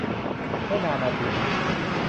ไม่นานนาทีนี้